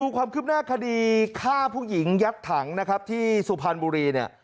ตรวจความคึ้มหน้าคดีฆ่าผู้หญิงยักษ์ถังที่สุพรรณบุรี